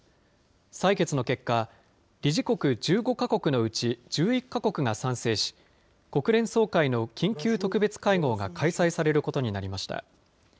採決の結果、理事国１５か国のうち１１か国が賛成し、国連総会の緊急特別会合が開催されることになりました。